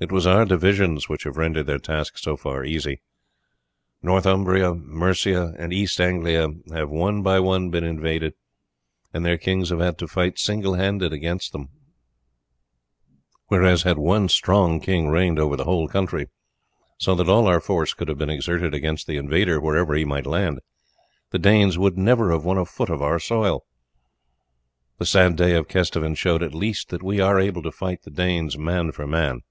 It is our divisions which have rendered their task so far easy. Northumbria, Mercia, and East Anglia have one by one been invaded, and their kings have had to fight single handed against them, whereas had one strong king reigned over the whole country, so that all our force could have been exerted against the invader wherever he might land, the Danes would never have won a foot of our soil. The sad day of Kesteven showed at least that we are able to fight the Danes man for man.